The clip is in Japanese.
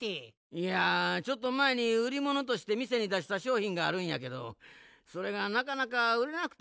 いやちょっとまえにうりものとしてみせにだしたしょうひんがあるんやけどそれがなかなかうれなくてな。